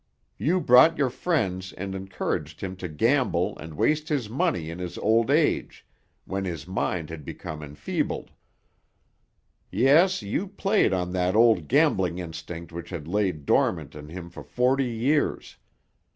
You brought your friends and encouraged him to gamble and waste his money in his old age, when his mind had become enfeebled. "Yes, you played on the old gambling instinct which had laid dormant in him for forty years.